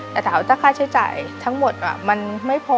แต่ถามว่าถ้าค่าใช้จ่ายทั้งหมดมันไม่พอ